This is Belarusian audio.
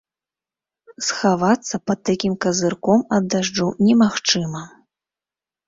Схавацца пад такім казырком ад дажджу немагчыма!